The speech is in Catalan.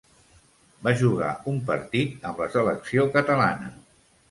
Va jugar un partit amb la selecció catalana.